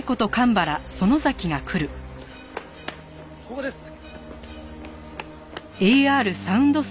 ここです！